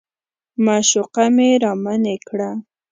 معشوقه مې رامنې کړه.